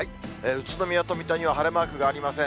宇都宮と水戸には晴れマークがありません。